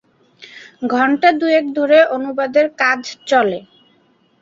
ঘণ্টা দু’য়েক ধরে অনুবাদের কাজ চলে।